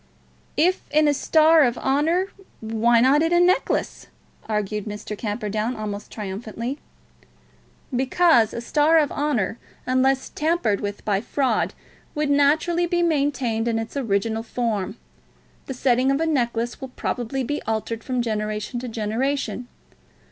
"If in a star of honour, why not in a necklace?" argued Mr. Camperdown almost triumphantly. "Because a star of honour, unless tampered with by fraud, would naturally be maintained in its original form. The setting of a necklace will probably be altered from generation to generation.